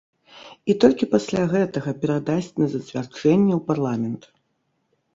І толькі пасля гэтага перадасць на зацвярджэнне ў парламент.